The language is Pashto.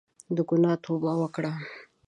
له ګناه توبه وکړه.